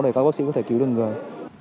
để các bác sĩ có thể cứu được người